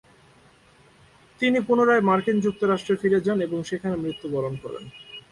তিনি পুনরায় মার্কিন যুক্তরাষ্ট্রে ফিরে যান এবং সেখানে মৃত্যুবরণ করেন।